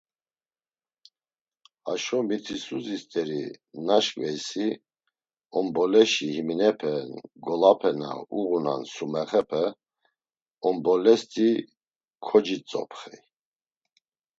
Haşo mitisuzi st̆eri naşǩveysi, onboleşi heminepe ngolape na uğunan Sumexepe Onbolesti kocitzopxey.